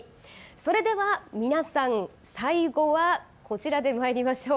それでは皆さん最後はこちらでまいりましょう。